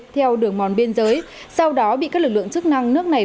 theo đường mòn biên giới sau đó bị các lực lượng chức năng nước này